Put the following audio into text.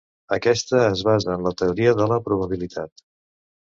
Aquesta es basa en la teoria de la probabilitat.